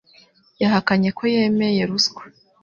yahakanye ko yemeye ruswa.